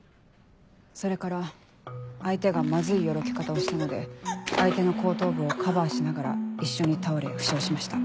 それから相手がマズいよろけ方をしたので相手の後頭部をカバーしながら一緒に倒れ負傷しました。